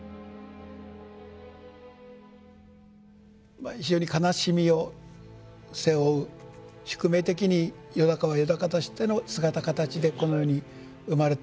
まあ非常に悲しみを背負う宿命的によだかはよだかとしての姿形でこの世に生まれてきた。